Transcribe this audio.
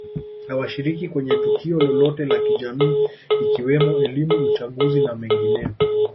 hawashiriki kwenye tukio lolote la kijamii ikiwemo elimu uchaguzi na mengineyo